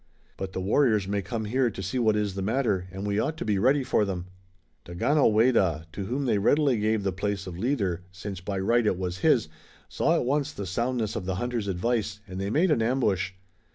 "But the warriors may come here to see what is the matter, and we ought to be ready for them." Daganoweda, to whom they readily gave the place of leader, since by right it was his, saw at once the soundness of the hunter's advice, and they made an ambush.